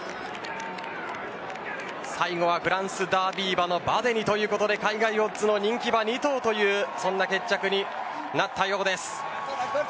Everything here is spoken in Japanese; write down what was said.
最後はフランスダービー馬のヴァデニということで海外オッズの人気馬２頭という決着になったようです。